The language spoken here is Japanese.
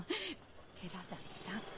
寺崎さん。